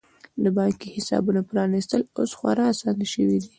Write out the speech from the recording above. د بانکي حسابونو پرانیستل اوس خورا اسانه شوي دي.